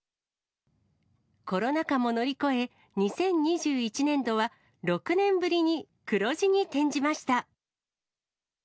コロナ禍も乗り越え、２０２１年度は、６年ぶりに黒字に転じました。